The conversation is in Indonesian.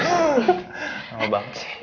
lama banget sih